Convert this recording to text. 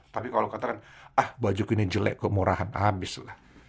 tapi kalau katakan ah baju ku ini jelek kok murahan habislah